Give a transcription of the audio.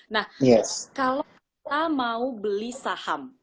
nah kalau kita mau beli saham